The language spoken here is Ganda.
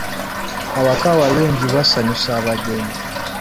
Awaka awalungi wasanyusa abagenyi.